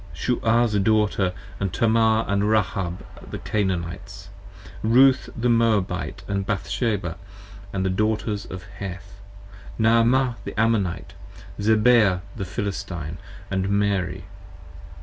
72 io Shuah's daughter & Tamar & Rahab the Canaanites; Ruth the Moabite & Bathsheba of the daughters of Heth, Naamah the Ammonite, Zibeah the Philistine, & Mary.